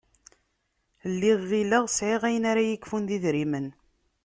Lliɣ ɣilleɣ sεiɣ ayen ara y-ikfun d idrimen.